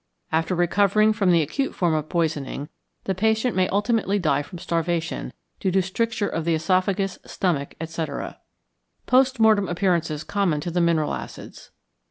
After recovering from the acute form of poisoning, the patient may ultimately die from starvation, due to stricture of the oesophagus, stomach, etc. _Post Mortem Appearances Common to the Mineral Acids.